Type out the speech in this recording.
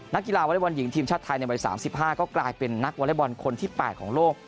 นักกีฬาวลายบอลหญิงทีมชาติไทยในวันสามสิบห้าก็กลายเป็นนักวลายบอลคนที่แปดของโลก